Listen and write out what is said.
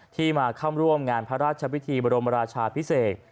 ที่มาเข้าร่วมงานพระราชพิธีบรมราชาพิเศษ